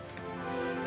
terima kasih bu